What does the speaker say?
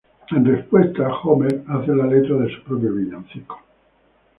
En respuesta, Homer hace la letra de su propio villancico.